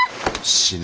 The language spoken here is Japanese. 死ね。